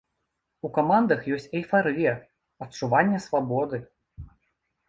У камандах ёсць эйфарыя, адчуванне свабоды.